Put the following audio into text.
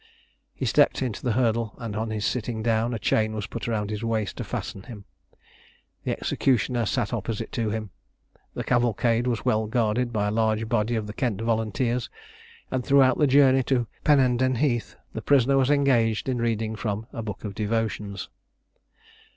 He stepped into the hurdle; and on his sitting down, a chain was put round his waist to fasten him. The executioner sat opposite to him. The cavalcade was well guarded by a large body of the Kent Volunteers; and throughout the journey to Pennenden Heath, the prisoner was engaged in reading from a book of devotions.